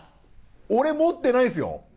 俺持ってないっすよ！？